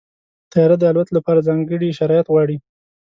طیاره د الوت لپاره ځانګړي شرایط غواړي.